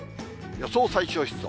予想最小湿度。